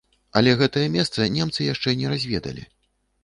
Але гэтае месца немцы яшчэ не разведалі.